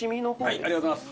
ありがとうございます。